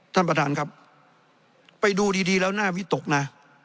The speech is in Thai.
ท่านประธานครับไปดูดีแล้วน่าวิตกนะ